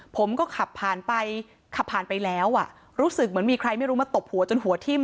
ผมก็ขับผ่านไปขับผ่านไปแล้วอ่ะรู้สึกเหมือนมีใครไม่รู้มาตบหัวจนหัวทิ้ม